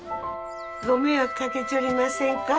ご迷惑かけちょりませんか？